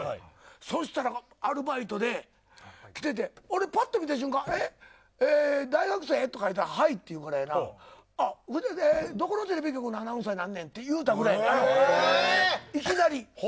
そしたらアルバイトで来ててぱっと見た瞬間大学生とか言ったらはいって言うからどこのテレビ局のアナウンサーなんねんって言うたぐらい。